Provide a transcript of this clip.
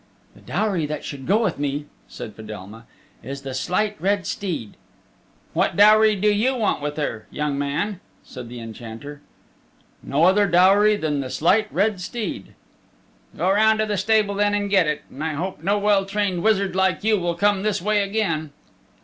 "The dowry that should go with me," said Fedelma, "is the Slight Red Steed." "What dowry do you want with her, young man?" said the Enchanter. "No other dowry but the Slight Red Steed." "Go round to the stable then and get it. And I hope no well trained wizard like you will come this way again."